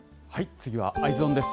次はＥｙｅｓｏｎです。